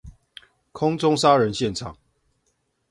空中殺人現場